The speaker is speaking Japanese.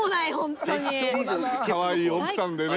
かわいい奥さんでね。